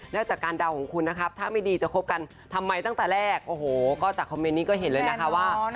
จากการเดาของคุณนะครับถ้าไม่ดีจะคบกันทำไมตั้งแต่แรกโอ้โหก็จากคอมเมนต์นี้ก็เห็นเลยนะคะว่า